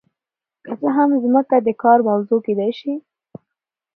که څه هم ځمکه د کار موضوع کیدای شي.